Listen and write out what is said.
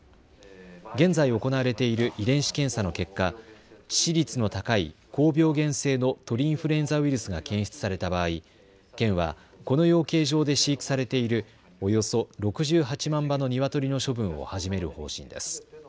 現在行われている遺伝子検査の結果、致死率の高い高病原性の鳥インフルエンザウイルスが検出された場合、県はこの養鶏場で飼育されているおよそ６８万羽のニワトリの処分を始める方針です。